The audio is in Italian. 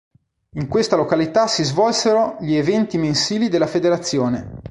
In questa località si svolsero gli eventi mensili della federazione.